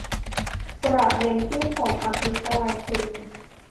ประเด็นที่ผมอภิปรายคือ